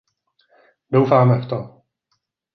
Doufáme v to.